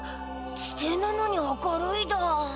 地底なのに明るいだ。